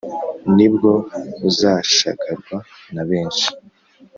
nibwo uzashagarwa na benshi